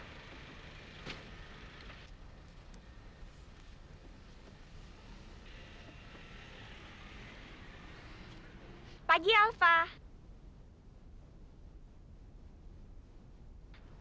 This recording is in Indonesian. nah alfreda injilnya berat ketemu saya dia krijgen fondue